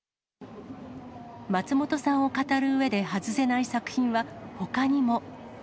松本さんを語るうえで、外せない作品は、ほかにも。